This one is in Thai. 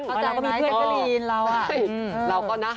เพราะเราก็มีเพื่อนกะลีนเราอะพี่แจ๊กกะลีนใช่เราก็นะ